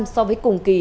so với cùng kỳ